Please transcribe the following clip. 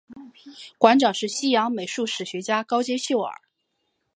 馆长是西洋美术史学家高阶秀尔。